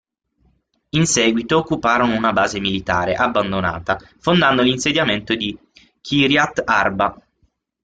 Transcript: In seguito occuparono una base militare abbandonata fondando l'insediamento di Kiryat Arba.